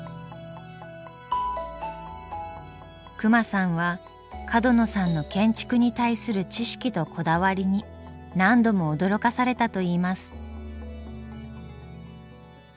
隈さんは角野さんの建築に対する知識とこだわりに何度も驚かされたといいます。